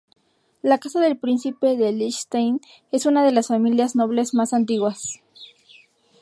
La Casa del Príncipe de Liechtenstein es una de las familias nobles más antiguas.